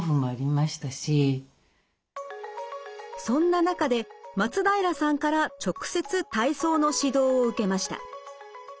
そんな中で松平さんから直接体操の指導を受けました。